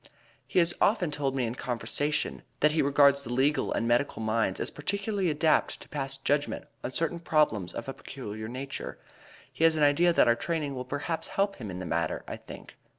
He has often told me in conversation, that he regards the legal and medical minds as particularly adapted to pass judgment on certain problems of a peculiar nature. He has an idea that our training will perhaps help him in the matter, I think."